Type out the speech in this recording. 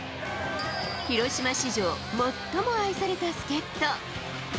広島史上最も愛された助っ人。